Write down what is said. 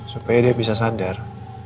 supaya dia bisa sadar